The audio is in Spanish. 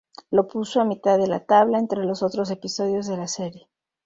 Lo puso a "mitad de la tabla" entre los otros episodios de la serie.